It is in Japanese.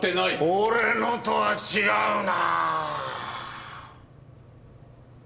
俺のとは違うなぁ。